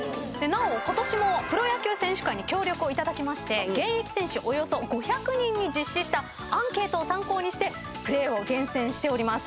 ことしもプロ野球選手会に協力をいただきまして現役選手およそ５００人に実施したアンケートを参考にしてプレーを厳選しております。